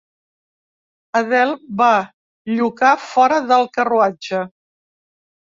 Adele va llucar fora del carruatge.